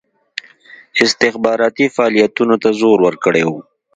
استخباراتي فعالیتونو ته زور ورکړی وو.